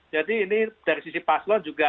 jadi ini dari sisi paslon juga